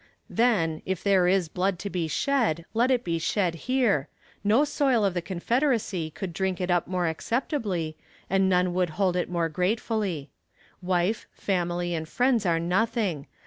Then, if there is blood to be shed, let it be shed here; no soil of the Confederacy could drink it up more acceptably, and none would hold it more gratefully. Wife, family, and friends are nothing.